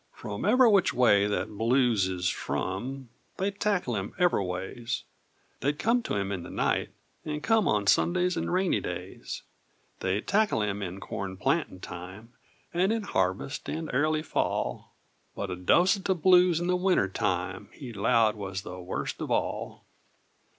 Frum ever' which way that blues is frum, They'd tackle him ever' ways; They'd come to him in the night, and come On Sundys, and rainy days; They'd tackle him in corn plantin' time, And in harvest, an airly fall, But a dose't of blues in the wintertime He 'lowed was the worst of all!